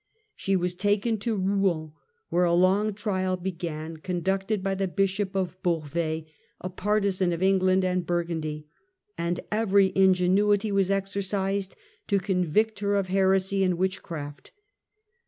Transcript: She was taken to Kouen, where a long trial began, conducted by the Bishop of Beauvais, a partisan of England and Tiiai Burgundy ; and every ingenuity was exercised to con vict her of heresy and witchcraft.